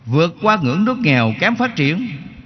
vượt qua ngưỡng nước nghèo kém phát triển